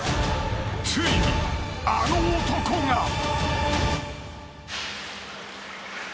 ［ついにあの男が］